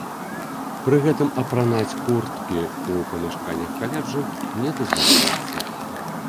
Пры гэтым апранаць курткі ў памяшканнях каледжу не дазваляецца.